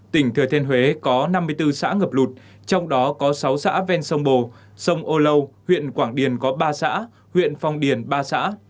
tỉnh thừa thiên huế có năm mươi bốn xã ngập lụt trong đó có sáu xã ven sông bồ sông âu lâu huyện quảng điền có ba xã huyện phong điền ba xã